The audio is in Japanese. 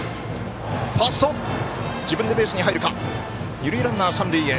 二塁ランナー、三塁へ。